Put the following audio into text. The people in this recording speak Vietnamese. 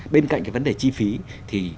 bên cạnh cái vấn đề chi phí thì